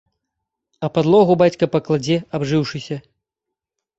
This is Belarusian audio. А падлогу бацька пакладзе абжыўшыся.